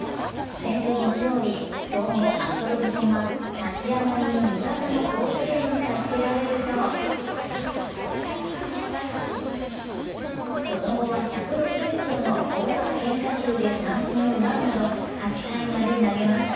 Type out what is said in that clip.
先週日曜日、強豪アストロズ戦は立ち上がりに味方の好プレーに助けられるとその後は１６０キロの高速変化球で三振を奪うなど、８回まで投げます。